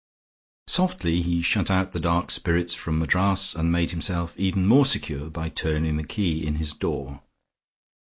Softly he shut out the dark spirits from Madras, and made himself even more secure by turning the key in his door.